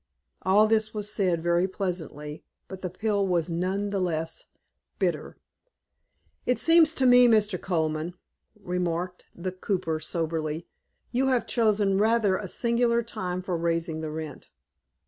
All this was said very pleasantly, but the pill was none the less bitter. "It seems to me, Mr. Colman," remarked the cooper soberly, "you have chosen rather a singular time for raising the rent."